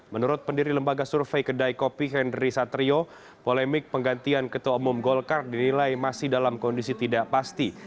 menurut pendiri lembaga survei kedai kopi henry satrio polemik penggantian ketua umum golkar dinilai masih dalam kondisi tidak pasti